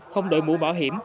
không đội mũ bảo hiểm